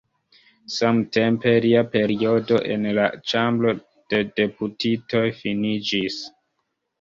Samtempe, lia periodo en la Ĉambro de Deputitoj finiĝis.